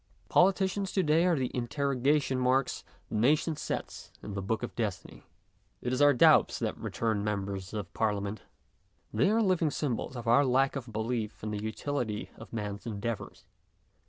Politicians to day are the interrogation marks the nation sets in the book of Destiny. It is our doubts that return members of Parliament ; they, are living symbols of our Jack of belief in the utility of man's endeavours.